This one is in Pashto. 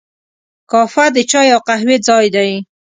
کافه د چای او قهوې ځای دی.